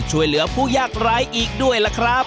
ช่วยเหลือผู้ยากร้ายอีกด้วยล่ะครับ